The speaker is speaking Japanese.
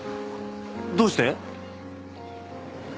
どうして？